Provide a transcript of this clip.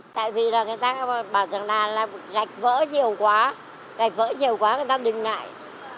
tại vì là người ta bảo chẳng nào là gạch vỡ nhiều quá gạch vỡ nhiều quá người ta đừng ngại